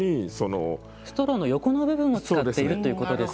ストローの横の部分を使っているということですか。